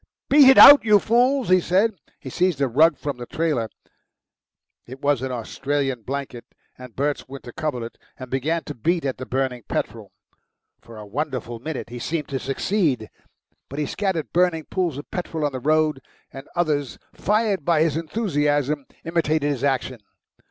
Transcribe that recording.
"Beat it out, you fools!" he said. He seized a rug from the trailer (it was an Austrian blanket, and Bert's winter coverlet) and began to beat at the burning petrol. For a wonderful minute he seemed to succeed. But he scattered burning pools of petrol on the road, and others, fired by his enthusiasm, imitated his action.